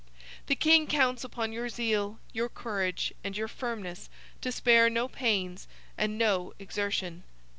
The king counts upon your zeal, your courage, and your firmness to spare no pains and no exertion.